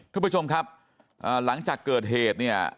ท่านผู้ชมครับหลังจากเกิดเหตุเนี่ย